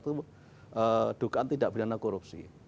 itu dukaan tidak berdana korupsi